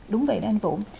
đúng vậy đó anh vũ